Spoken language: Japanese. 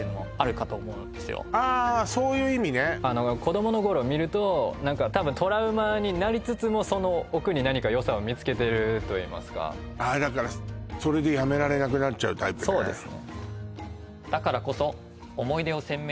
そういう意味ね子どもの頃見ると何か多分トラウマになりつつもその奥に何かよさを見つけてるといいますかああだからそれでやめられなくなっちゃうタイプねそうですね